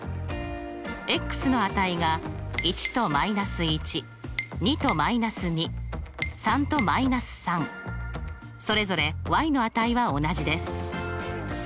の値が１と−１２と−２３と−３それぞれの値は同じです。